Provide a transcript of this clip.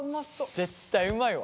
絶対うまいわ。